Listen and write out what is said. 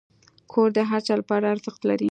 کور د هر چا لپاره ارزښت لري.